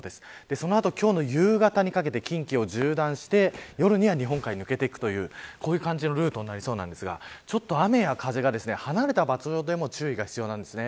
その後、今日の夕方にかけて近畿を縦断して夜には日本海に抜けていくというこういう感じのルートになりそうなんですがちょっと雨や風が離れた場所でも注意が必要なんです。